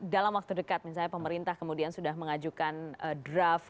dalam waktu dekat misalnya pemerintah kemudian sudah mengajukan draft